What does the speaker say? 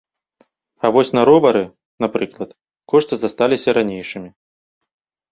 А вось на ровары, напрыклад, кошты засталіся ранейшымі.